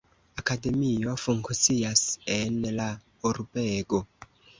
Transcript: Akademio funkcias en la urbego.